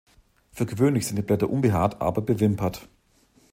Für gewöhnlich sind die Blätter unbehaart, aber bewimpert.